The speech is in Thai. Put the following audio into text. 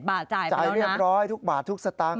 ๑๒๔๗บาทจ่ายไปแล้วนะจ่ายเรียบร้อยทุกบาททุกสตางค์